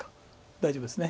大丈夫ですね。